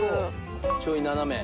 ちょい斜め。